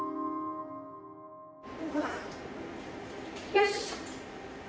よし！